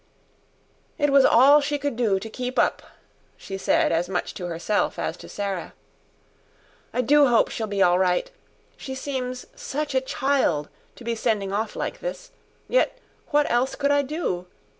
"It was all she could do to keep up," she said as much to herself as to Sarah. "I do hope she'll be all right. She seems such a child to be sending off like this. Yet what else could I do?